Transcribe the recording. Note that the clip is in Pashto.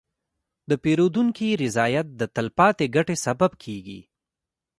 د پیرودونکي رضایت د تلپاتې ګټې سبب کېږي.